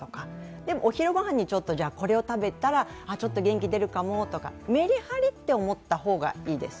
でも、お昼御飯にこれを食べたらちょっと元気出るかもとか、メリハリと思った方がいいです。